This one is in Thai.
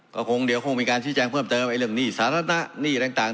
ก็คงเดี๋ยวคงมีการชี้แจงเพิ่มเติมเรื่องหนี้สาธารณะหนี้อะไรต่าง